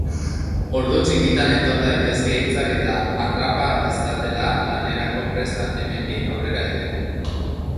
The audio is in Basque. Ordu txikitan etor daitezke hitzak eta harrapa dezatela lanerako prest hemendik aurrera ere.